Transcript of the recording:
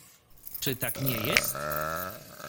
"Czy tak nie jest?"